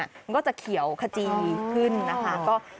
มันก็จะเขียวขจีขึ้นนะคะ